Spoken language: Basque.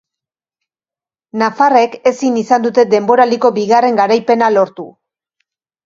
Nafarrek ezin izan dute denboraldiko bigarren garaipena lortu.